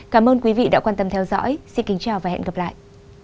cảm ơn quý vị đã quan tâm theo dõi xin kính chào và hẹn gặp lại